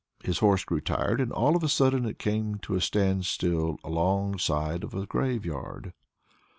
His horse grew tired, and all of a sudden it came to a standstill alongside of a graveyard.